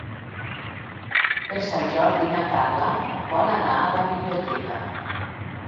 Per Sant Jordi na Carla vol anar a la biblioteca.